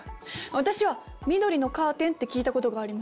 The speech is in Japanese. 私は緑のカーテンって聞いたことがあります。